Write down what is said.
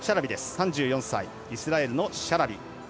３４歳、イスラエルのシャラビ。